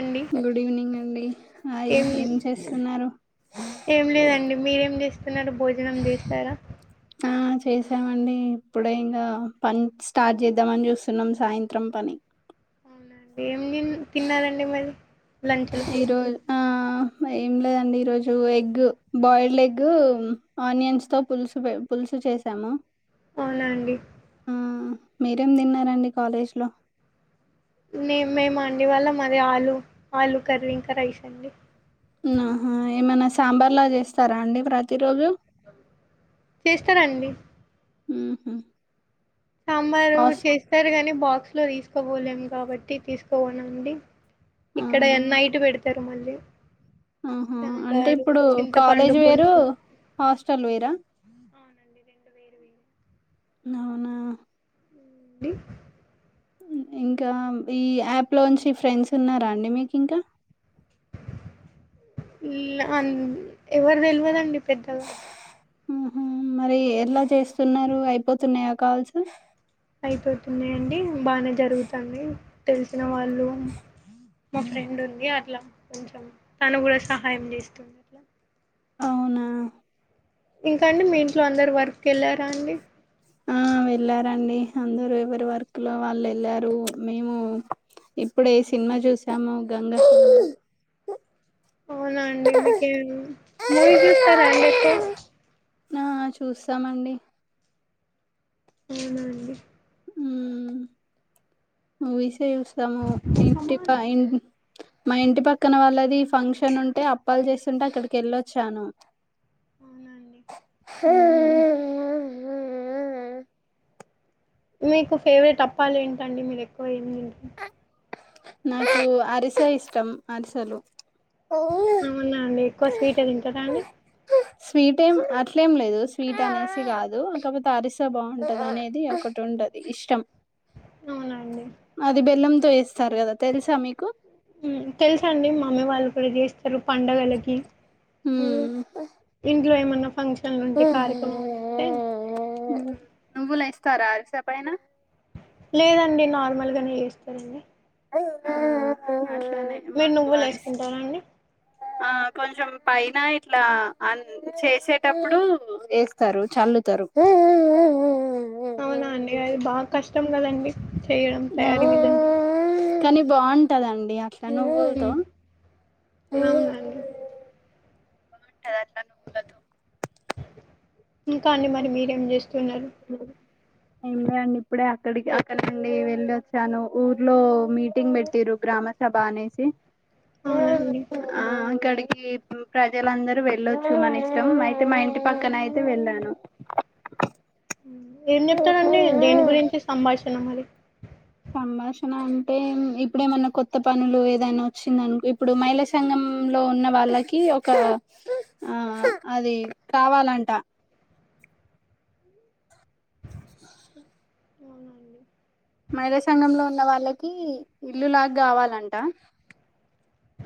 అండి good evening అండి hi ఏం చేస్తున్నారు అందరూ భోజనం చేసినార ఆ చేసామండి ఇప్పుడే ఇంకా పని స్టార్ట్ చేద్దామని చూస్తున్నాం సాయంత్రం పని అవునండి ఏం తిన్నారండి మరి లంచ్లో ఈరోజు ఆ ఏం లేదండి ఈరోజు ఎగ్ బాయిల్డ్ ఎగ్ ఆనియన్స్ తో పులుసు పులుసు చేసాము అవునా అండి ఆ మీరేం తిన్నారండి కాలేజ్ లో మేము ఆ అండి ఇవాళ మాది ఆలు ఆలు కర్రీ ఇంకా రైస్ అండి ఆహా ఏమైనా సాంబార్ లా చేస్తారా అండి ప్రతి రోజు చేస్తనండి ఉహూ సాంబారు చేస్తారు ని బాక్స్ లో తీసుకోపోలేము కాబట్టి తీసుకోపోనండి ఇక్కడ అవునా నైట్ పెడతారు మళ్ళీ ఆహా అంటే సాంబారు ఇప్పుడు చింతపండు కాలేజ్ వేరు పులుసు హాస్టల్ వేరా అవునండి రెండు వేరు అవునా ఏడి ఇంకా ఈ యాప్ లోంచి ఫ్రెండ్స్ ఉన్నారా అండి మీకు ఇంకా అ ఎవరు తెలివదండి పెద్దగా ఉహూ మరి ఎలా చేస్తున్నారు అయిపోతున్నాయా కాల్స్ అయిపోతన్నాయి అండి బాగానే జరుగుతుంది తెలిసిన వాళ్ళు మా ఫ్రెండ్ ఉంది అట్లా కొంచెం తను కూడా సహాయం చేస్తుంది అట్లా అవునా ఇంకా అండి మీ ఇంట్లో అందరు వర్క్ వెళ్ళారా అండి ఆ వెళ్లారండి అందరు ఎవరి వర్క్ లో వాళ్ళు వెళ్ళారు చ్ మేము ఇప్పుడే సినిమా చూసాము గంగ అవునా అండి మీకేము మూవీ చూస్తారా అండి ఎక్కువ. ఆ చూస్తామండి అవునా అండి ఉ మూవీసే చూస్తాము ఇంటి సమానం పైన్ మా ఇంటి పక్కన వాళ్ళది ఫంక్షన్ ఉంటే అప్పలు చేస్తుంటే అక్కడికి వెళ్ళొచ్చాను. అవునండి [inaudible] మీకు ఫేవరెట్ అప్పాలు ఏంటండి మీరు ఎక్కువ ఏమ్ తింటారు. నాకు అరిసె ఇష్టం అరిసలు అవునా అండి ఎక్కువ స్వీటే తింటారా అండి. స్వీటే అట్లేమ్ లేదు స్వీట్ అనేసి కాదు కాకపోతే అరిసా బాగుంటది అనేది ఒకటి ఉన్ ఉంటది ఇష్టం అది బెల్లంతో చేస్త్ ఉ తెలుసండి మామ్మీ వాళ్ళు కూడా చేస్తారు పండగలకి. ఉ ఇంట్లో ఏమైన్నా ఫంక్షన్లు ఉంటే కార్యక్రమలు ఉంటే కరా అరసపైన లేదండి నార్మల్గానే చేస్తారండి అట్లానే మీరు మాకు నువ్వులు అరస్ వేసుకుంటారా అండి ఆ కొంచెం పైన ఇట్లా ఆ చేసేటప్పుడు వేస్తారు చల్లు తరు అవునా అండి అది బాగా కష్టం కదండి చేయడం తయారీ విధాన్ కానీ బాగుంటదండి అట్లా నువ్వులుతో మ్మ్. అవునండి తరత్త [inaudible] ఇంకా అండి మరి మీరేం చేస్తున్నారు ఏమ్ లే అండి ఇప్పుడే అక్కడికి అక్కడ నుండి వెళ్ళి వచ్చాను, ఊర్లో మీటింగ్ పెట్టిరు గ్రామస్ రభ అనేసి అవునా అండి ఇక్కడికి ప్రు ప్రజలందరూ వెళ్ళొచ్చు మన ఇష్టం, అయితే మా ఇంటి పక్కన అయితే వెళ్ళాను. ఎమ్ చెప్తారండి దేని గురించి సంభాషణ మరి. సంభాషణ అంటే ఇప్పుడేమన్నా కొత్త పనులు ఏదైనా వచ్చిందనుకో ఇప్పుడు మైళా సంఘం లో లో ఉన్న వాళ్ళకి ఒక ఆ అది కావాలంట [inaudible] అవునా అండి మహిళా సంఘంలో ఉన్న వాళ్ళకి ఇల్లులాగ కావాలంట.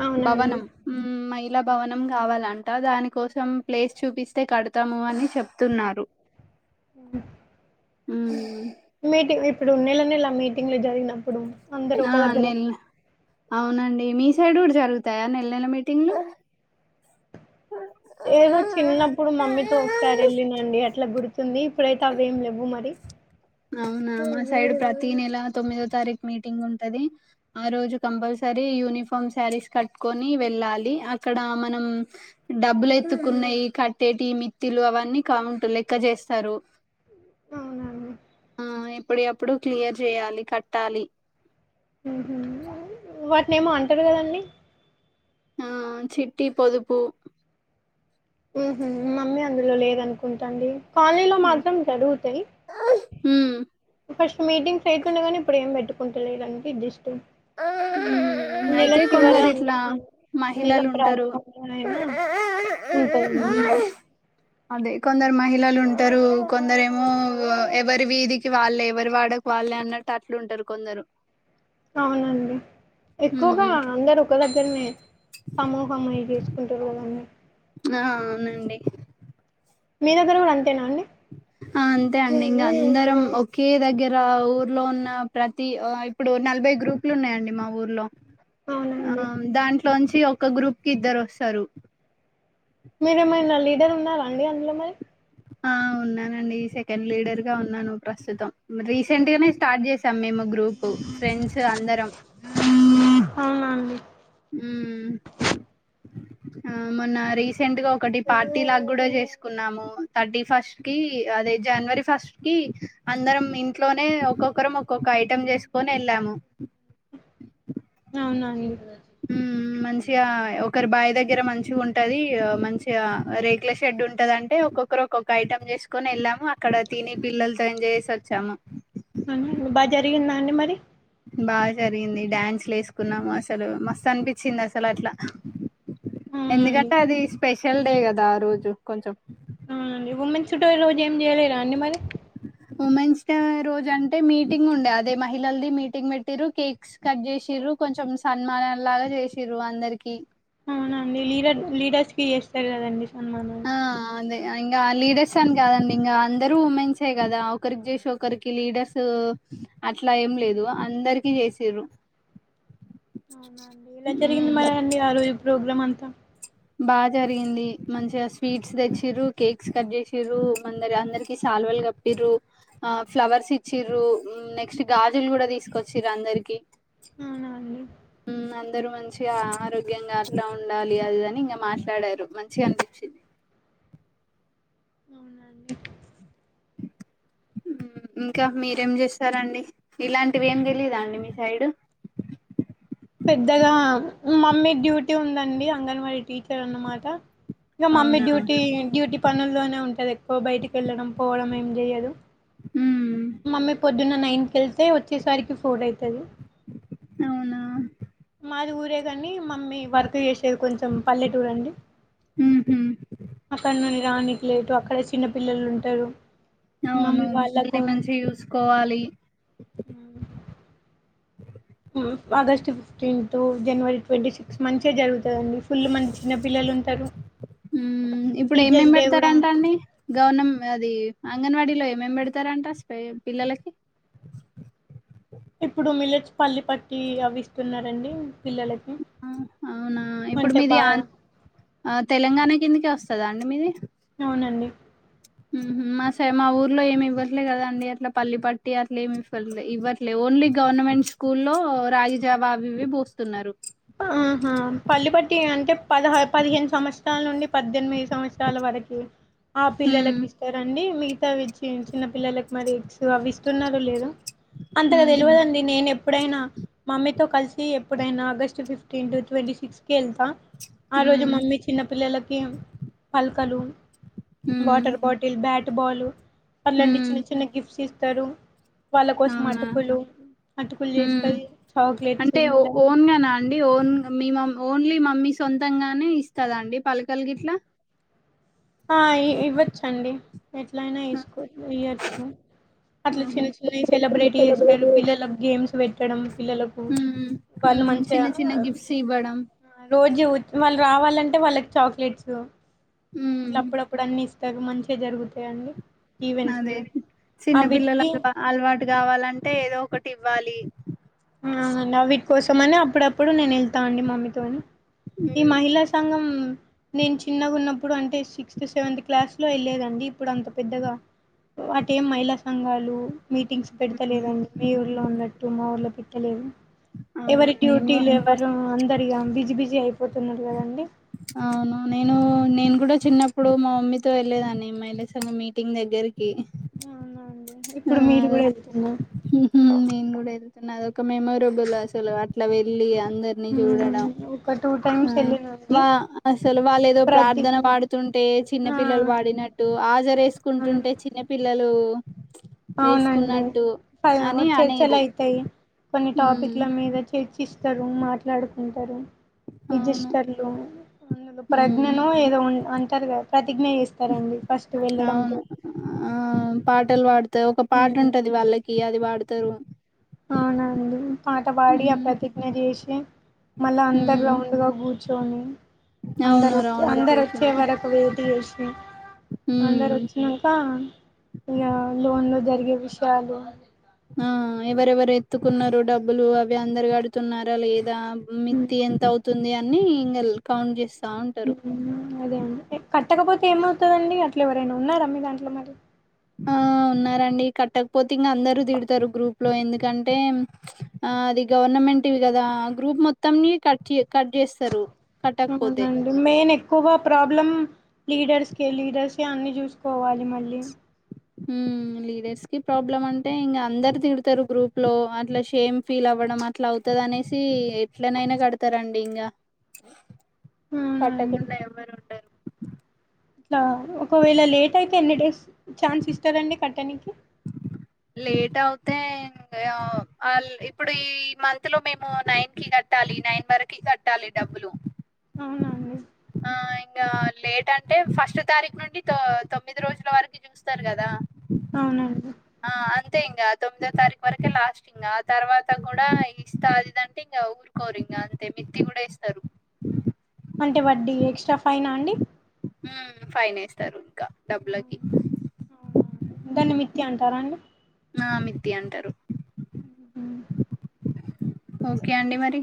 అవునా అండి. భవనం ఉ మై ఇలా భవనం కావాలంట దాని కోసం ప్లేస్ చూపిస్తే కడతాము అని చెప్తున్నారు. [inaudible] ము మీటింగ్ ఇప్పుడు నెల నెలా మీటింగ్లు జరిగినప్పుడు. అందరు ఒక ఆ దగ్గర నేన్ అవునండి మీ సైడ్ కూడా జరుగుతాయా నెల నెల మీటింగ్లు. ఏదో చిన్నప్పుడు మమ్మీతో ఒకసారి వెళ్ళినండి అట్లా గుర్త్ తుంది ఇప్పుడైతే అవి ఏమి లేవు మరి అవునా మా సైడ్ ప్రతి నెల తొమ్మిదో తారీఖ్ మీటింగ్ ఉంటది ఆ రోజు కంపల్సర్ ఈ యునిఫామ్ సారీస్ కట్టుకొని వెళ్ళాలి, అక్కడ మనం డబ్బులు ఎత్తుకునే ఈ కట్టేటి మిత్తిలు అవన్నీ కౌంట్ లెక్క చేస్తారు. అవునా అండి ఉమ్ ఎప్పుడవి ఎప్పుడు క్లియర్ చేయాలి కట్టాలి. ఉహు వాటిని ఏమో అంటారు కదండి ఆ చిట్టి పొదుపు ఉహు మమ్మీ అందులో లేదనుకుంటాండి. కాలనీ లో ఉమ్ మాత్రం జరుగుతయి. ఉమ్, ఫస్ట్ మీటింగ్స్ అయితుండగనీ, ఇప్పుడు ఏం పెట్టుకుంటలేరందుకే ఇది జస్ట్ ఊహు నెల అయితే చివర కొందరు ఇట్ల అన్నా, నెల మహిళలు ఉంటరు. ప్రారంభంలో అయినా ఆ ఉంటయండి. [inaudible] అదే కొందరు మహిళలు ఉంటరు, కొందరు ఏమో ఎవరి వీధికి వెళ్ళే, ఎవరు వాడకి వాళ్ళే లె అన్నట్టు అట్లుంటరు కొందరు. అవునండి, ఎక్కువగా ఉమ్, అందరు ఒక దగ్గరనే. సమూహం అయి జేసుకుంటరు వాళ్లని. ఆ అవునండి. మీ దగ్గర కూడా అంతేనా అండి? [unintelligible] ఆ అంతే అండి ఇంగ అందరం ఒకే దగ్గర ఊర్లో ఉన్న ప్రతి, ఆ ఇప్పుడు నలభై బై గ్రూపులు ఉన్నయండి మా ఊర్లో. ఆ అవునండి. దాంట్లోంచి ఒక గ్రూప్ కి ఇద్దరు వస్తరు. మీరేమైనా లీడర్ ఉన్నారా అండి అందులో మరి? ఆ ఉన్నానండి సెకండ్ లీడర్ గా ఉన్నాను ప్రస్తుతం. రీసెంట్ గనే స్టార్ట్ చేసాం మేము గ్రూపు, ఫ్రెండ్స్ అందరం అవున అండి. ఉమ్ ఆ మొన్న రీసెంట్ గా ఒకటి పార్టీ లాగ గుడ చేసుకున్నాము, థర్టీ ఫస్ట్ కి అదే జనవరి ఫస్ట్ కి అందరం ఇంట్లోనే ఒక్కొ క్కరం ఒక్కొక్క ఐటం చేసుకొని ఎళ్ళాము. అవునా అండి. ఉమ్ మంచిగా ఒకరి బాయి దగ్గర మంచిగ ఉంటది, ఆ మంచిగా రేకుల షెడ్ ఉంటది అంటే ఒక్కొక్కరు ఒక్కొక్క ఐటెం చేసుకొని ఎళ్ళాము, అక్కడ తిని పిల్లలతో ఎంజాయ్ చేసి వచ్చాము. అ బాగా జరిగిందా అండి మరి. బాగా జరిగింది. డ్యాన్స్లు వేసుకున్నాము అసలు మస్తు అనిపించింది అసలు అట్ల. అవునండి ఎందుకంటే అది స్పెషల్ డే కదా ఆ రోజు కొంచెం. అవునండి ఉమెన్స్ డే రోజు ఏం చేయలేదా అండి మరి? ఉమెన్స్ డే రోజు అంటే మీటింగ్ ఉండే అదే మహిళలది మీటింగ్ పెట్టిర్రు కేక్స్ కట్ చేసిర్రు. రు కొంచం సన్మానం లాగా చేసిర్రు అందరికి. అవునండి లీడర్ లీడర్స్కి చేస్తరు కదండి సన్మానం. ఇంగా లీడర్స్ అని కాదండి ఇంగా అందరు వుమెన్స్ కదా, ఒకరికి చేసి ఒకరికి లీడర్స్. అట్లా ఏం లేదు, అందరికి చేసిర్రు. అవునా అండి, ఎలా జరిగింది ఉమ్ మరి అండి, ఆ రోజు ప్రోగ్రామ్ అంతా. బాగా జరిగింది, మంచిగా స్వీట్స్ తెచ్చిర్రు, కేక్స్ కట్ చేసిర్రు, మందరి అందరికి సాల్ సాల్వాల్ కప్పిర్రూ, ఆ ఫ్లవర్స్ ఇచ్చిర్రు, నెక్స్ట్ గాజులు గుడ తీసుకొచ్చిర్రు అందరికి. అవునా అండి. ఉమ్ అందరూ మంచిగా ఆరోగ్యంగా అట్లా ఉండాలి అది ఇది అని ఇంగ మాట్లాడారు, మంచిగా అనిపించింది. అవునండి ఇంకా మీరేం చేస్తారండి, ఇలాంటివి ఏం తెలిదా అండి మీ సైడు? పెద్దగా మమ్మీ డ్యూటీ ఉందండి అంగన్వాడీ టీచర్ అన్నమాట. ఇగ మమ్మీ అవునా డ్యూటీ డ్యూటీ పనుల్లోనే ఉంటది ఎక్కువ, బయటికి వెళ్ళడం పోవడం ఏం చేయదు. ఉమ్ మమ్మీ పొద్దున్న నైన్ కెళ్తే వచ్చేసరికి ఫోర్ అయితది అవునా మాది ఊరే గనీ మమ్మీ వర్క్ చేసేది కొంచెం పల్లేటూరండి ఉహు అక్కడ నుండి రానీకి లేదు అక్కడ చిన్న పిల్లలుంటరు అవునవును పిల్లల్ని మంచిగ చూసుకోవాలి ఉమ్ August fifteen to January twenty six మంచిగ జరుగుతదండి ఫుళ్ళు మంది చిన్నపిల్లలుంటరు ఉమ్ ఇప్పుడేమేం పెడతరంట అండి గవర్నమ్ అది అంగన్వాడీలో ఏమేం పెడతరంట అస్లే పిల్లలకి ఇప్పుడు మిల్లెట్స్ పల్లి పట్టి అవి ఇస్తున్నరండి పిల్లలక్ అహ్ అవునా ఇప్పుడు మీది బాగా ఆన్ తెలంగాణ కిందకే వస్తదా అండి మీది అవునండి ఉమ్ హు, మా సై మా ఊర్లో ఏమివ్వట్లే గదండి, అట్లా పల్లి పట్టి అట్లెమిఫ్ఫట్లే ఇవ్వట్లే ఓన్ ఓన్లీ గవర్నమెంట్ స్కూల్లో రాగి జవా అవి ఇవి పోస్తున్నరు ఆహా పల్లి పట్టి అంటే పదహ పదిహేను సంవత్సరాల నుండి పద్దెనిమిది సంవత్సరాల వరకీ ఆ ఉమ్ పిల్లలకి ఇస్తారండి మీ గవిచ్చి చిన్న పిల్లలకి మరి ఎగ్స్ అవిస్తున్నరో లేదో అంతగ ఉహు తెలవదండి నేనెప్ ఎప్పుడైనా మమ్మీతో కలిసి ఎప్పుడైనా ఆగస్ట్ ఫిఫ్టీన్త్ ట్వంటీ సిక్స్ కి ఎళ్తా ఆ రోజు ఉమ్ మమ్మీ చిన్నపిల్లలకి పలకలు ఉమ్ వాటర్ బాటిల్, బ్యాట్, బాలు అట్లాంటి ఉమ్ చిన్న చిన్న గిఫ్ట్స్ ఇస్తరు వాళ్ళ కోసం అవునా అటుకులు, అటుకులు ఉమ్ జేస్తది చాక్లెట్స్ మల్ల మీ ఓన్ మీ మ ఓన్లీ మమ్మీ సొంతంగానే ఇస్తద అండి పలకలు గిట్లా ఆ ఇ ఇవ్వచ్చండి ఎట్లయినా ఇసుకో ఇయచ్చు అట్ల ఉహు చిన్న చిన్నయ్ సెలబ్రేట్ జేస్తరు పిల్లలకు గేమ్స్ పెట్ పిల్లలకు ఉమ్ వాళ్ళు ఉమ్ మంచిగ చిన్న చిన్న గిఫ్ట్స్ ఇవ్వడం ఆ రోజు వాళ్ళు రావాలంటే వాళ్ళకి చాక్లెట్స్ ఇట్ల ఉమ్ అప్పుడప్పుడన్నీ ఇస్తరు మంచిగ జరుగు అదే అవిటికి చిన్నపిల్లలకు అలవాటు గావాలంటే ఏదోక్ కటి ఇవ్వాలి ఆహ నా వీటి కోసమని అప్పుడప్పుడు నేనెళ్తా అండి మమ్మీతోని ఉమ్ ఈ మహిళా సంఘం నేన్ చిన్నగున్నప్ ప్పుడు అంటే సిక్స్త్, సెవెంత్ క్లాస్ లో ఎళ్లేదండి ఇప్పుడు అంత పెద్దగా వాటి ఏం మహిళా సంఘాలు మీటింగ్స్ పెడతలేదండి మీ ఊర్లో ఉన్నట్టు మా ఊర్లో పెట్టలేదు అవునా ఎవరి నేను కూడా డ్యూటీలు ఎవరు అందరిగా బిజీ బిజీ అయిపోతున్నరు గదండి అవునా నేను నేన్గుడా చిన్నప్పుడు మా మమ్మీతో ఎల్లేదాన్ని మహిళ సంఘం మీటింగ్ దగ్ ద్దరికి అవునా అండి ఆ ఇప్పుడు మీరు అదె కూడా ఒక్ వెళ్తున్నారు ఉమ్ హు నెన్ గూడా ఏదో తున్నదొక మెమొరబుల్ అసలు అట్లా వెళ్ళి ఒక టూ టైమ్స్ వెళ్ళినండి వా అసలు వాళ్ళ ఏదో ప్రతి ప్రార్థన పాడుతుంట్ అంటే చిన్న ఆ పిల్లలు పాడినట్టు అవును హాజరేసుకుంటుంటే చిన్న పిల్లలు అవునండి వేసుకున్నట్టు పైనేమో అని చర్చలు అనేది అయితయి కొన్ని ఉమ్ టాపిక్ల మీద చర్చిస్తరు మాట్లాడుకుంటరు అవును రిజిష్టర్లు అందులో ఉమ్ ప్రజ్ఞనో ఏదో ఉన్ అంటరు గదా ప్ర అవును ఆ థార్డ్ టల్ పాడుతరు ఒక పాట హ్మ్. ఉంటది వాళ్ళకి అది పాడుతరు అవునా అండి పాట పాడి ఆ ప్రతిజ్ఞ జేసి మళ్ళ అంతా మ్మ్ రౌండ్ గా గూర్చొని అవును అందరోచ్చే రౌండ్ అందరు ఒచ్చే కూర్చుని వరకు వెయిట్ జేసి అందరు మ్మ్ వచ్చినంక ఇగా లోన్ లో జరిగే విషయాలు ఆ ఎవరెవరు ఎత్తుకున్నారు డబ్బులు అవి అందరు అడుతున్నారా లేదా మిత్తి ఎంత అవుతుంది అని ఇంగల్ కౌంట్ చేస్ అదే అండి కట్టకపోతే ఏమవుతదండి అట్లా ఎవరైనా ఉన్నారా మీ దాంట్లో మరిీ ఆ ఉన్నారండి కట్టకపోతే ఇంకా అందరు తిడతారు గ్రూప్ లో ఎందుకంటే ఆ అది గవర్నమెంట్వి కదా గ్రూప్ మొత్తంని కట్ చేయ అవునండి మెయిన్ ఎక్కువగా ప్రాబ్లం లీడర్స్కే లీడర్సే అన్నీ చూసుకోవాలి మళ్ళీ మ్ లీడర్స్ కి ప్రాబ్లమ్ అంటే ఇంకా అందరు తిడతారు గ్రూప్ లో అట్లా షేమ్ ఫీల్ అవ ఇవ్వడం అట్లా అవుతంది అనేసి ఎట్లనైనా కడతారండి ఇంకా అవునండి కట్టకుండా ఎవరు ఉండరు ట్లా ఒకవేళ లేట్ అయితే ఎన్ని డేస్ ఛాన్స్ ఇస్తారండి కట్టనికి లేట్ అవుతే ఇంగా ఇప్పుడు ఈ మంత్ లో మేము నైన్ కి కట్ కట్టాలి నైన్ వరకు కట్టాలి డబ్బులు అవునండి ఆ ఇంకా లేట్ అంటే ఫస్ట్ తారీఖ నుండి తొ తొమ్మిది రోజుల వరకు చూస్తారు కదా అవునండి అంతే ఇంకా తొమ్మిదో తారీఖు వరకే లాస్ట్ ఇంగా తర్వాత కూడా ఇస్తాదిదంటే ఇంక ఊరుకోరు ఇం కా అంతే మిత్తి కూడా ఇస్తారు అంటే వడ్ీ ఎక్స్ట్రా ఫైనా అండి మ్ ఫైన్ వేస్తారు ఇంకా డబ్బులకి అవునండి, దాన్ని మిత్తి అంటారా అండి ఆ మిత్తి అంటరు మ్ ఓకే అండి మరి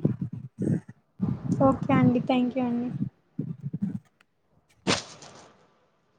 ఓకే అండి థ్యాంక్ యూ అండి